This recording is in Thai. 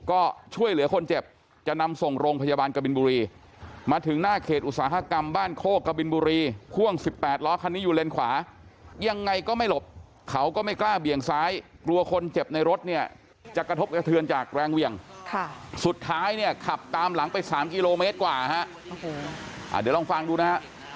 เขาก็ไม่กล้าเปลี่ยงฟ้าแล้วกลัวคนเจ็บในรถเนี่ยจะกระทบกระเถือนออกแรงเวี่ยงค่ะสุดท้ายเนี่ยขับตามหลังไป๓กิโลเมตรกว่าเดี๋ยวลองฟังดูนะ